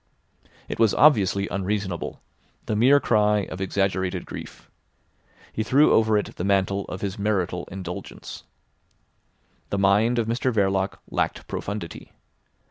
It was obviously unreasonable, the mere cry of exaggerated grief. He threw over it the mantle of his marital indulgence. The mind of Mr Verloc lacked profundity.